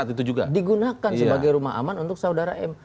ya itu harus diperiksa ketika digunakan sebagai rumah aman untuk saudara m